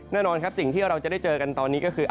แน่นอนครับสิ่งที่เราจะได้เจอกันตอนนี้ก็คือ